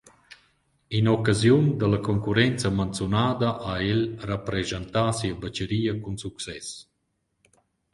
In occasiun da la concurrenza manzunada ha el rapreschantà sia bacharia cun success.